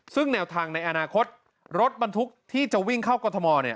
ซึ่งแนวทางในอนาคตรถบรรทุกที่จะวิ่งเข้ากรทมเนี่ย